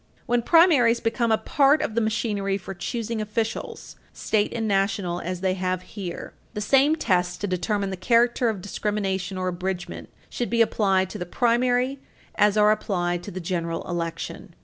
When primaries become a part of the machinery for choosing officials, state and national, as they have here, the same tests to determine the character of discrimination or abridgement should be applied to the primary as are applied to the general election.